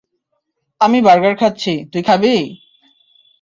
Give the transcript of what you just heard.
আমি বার্গার খাচ্ছি, তুই খাবি?